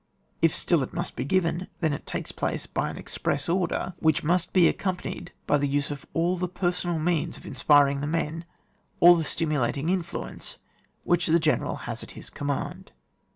If still it must be given, then it takes place by an express order, which must be accompanied by the use of all the personal means of inspiriting the men, all the stimulating influence which the general has at his command.